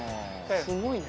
すごいね。